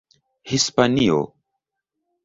hispanio